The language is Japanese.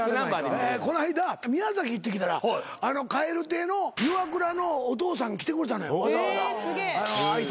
こないだ宮崎行ってきたら蛙亭のイワクラのお父さん来てくれたのよわざわざ挨拶に。